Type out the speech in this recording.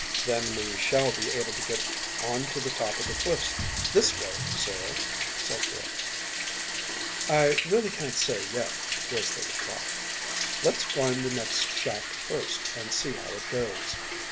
"Then we shall be able to get on to the top of the cliffs this way, sir," said Griggs. "I really can't say yet," was the reply. "Let's find the next shaft first, and see how far it goes."